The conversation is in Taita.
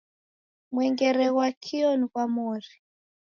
Mwengere ghwa kio ni ghwa mori.